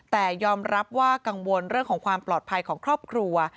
แต่ยอมรับว่ากังวลเรื่องของความปลอดภัยของครอบครัว